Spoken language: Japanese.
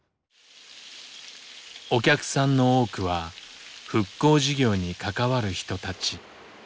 お客さんの多くは復興事業に関わる人たち。